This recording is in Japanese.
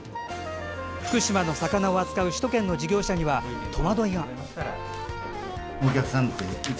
福島の魚を扱う首都圏の事業者には戸惑いが。